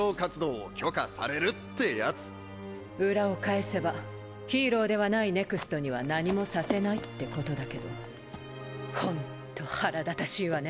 裏を返せばヒーローではないＮＥＸＴには何もさせないってことだけどほんっと腹立たしいわね。